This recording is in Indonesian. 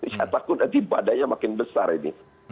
saya takut nanti badainya makin besar ini